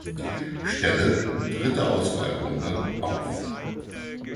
Stelle (dritte Auswahlrunde) auf.